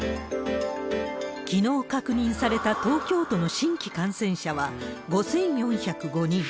きのう確認された東京都の新規感染者は５４０５人。